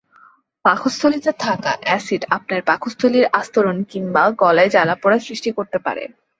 পাকস্থলীতে থাকা এসিড আপনার পাকস্থলীর আস্তরণ কিংবা গলায় জ্বালাপোড়া সৃষ্টি করতে পারে।